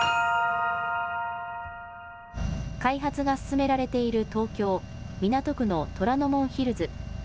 開発が進められている、東京・港区の虎ノ門ヒルズ。